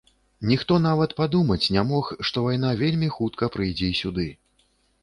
Ніхто нават падумаць не мог, што вайна вельмі хутка прыйдзе і сюды.